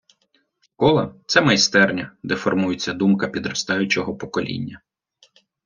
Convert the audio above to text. Школа — це майстерня, де формується думка підростаючого покоління.